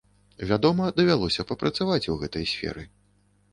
Вядома, давялося папрацаваць у гэтай сферы.